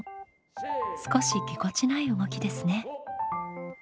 少しぎこちない動きですね。